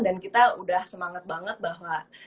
dan kita udah semangat banget bahwa